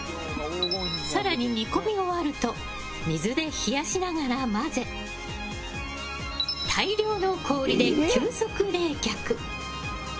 更に、煮込み終わると水で冷やしながら混ぜ大量の氷で急速冷却。